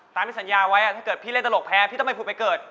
ตามที่สัญญาไว้ถ้าเกิดพี่เล่นตลกแพ้พี่ต้องไปผุดไปเกิด